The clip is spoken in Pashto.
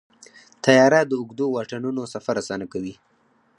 طیاره د اوږدو واټنونو سفر اسانه کوي.